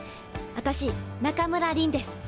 私中村凛です。